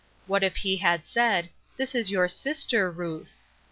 What if he had said, " This is your sister Ruth?